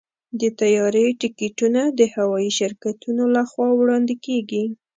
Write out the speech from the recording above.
د طیارې ټکټونه د هوايي شرکتونو لخوا وړاندې کېږي.